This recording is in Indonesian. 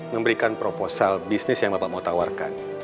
memberikan proposal bisnis yang bapak mau tawarkan